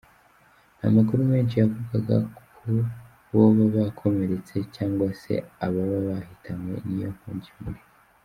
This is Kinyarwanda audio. Nta makuru menshi yavugaga ku boba bakomeretse cyangwase ababahitanywe n'iyo nkongi y'umuriro.